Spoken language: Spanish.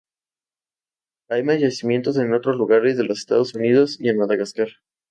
Hay más yacimientos en otros lugares de los Estados Unidos y en Madagascar.